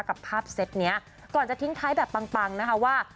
กับภาพเซตนี้ก่อนจะทิ้งท้ายแบบปังนะคะว่า